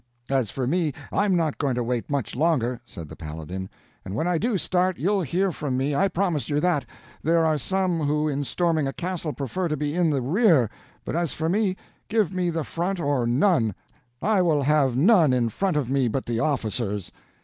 "As for me, I'm not going to wait much longer," said the Paladin; "and when I do start you'll hear from me, I promise you that. There are some who, in storming a castle, prefer to be in the rear; but as for me, give me the front or none; I will have none in front of me but the officers."